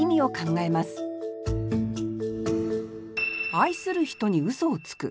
「愛する人に嘘をつく」。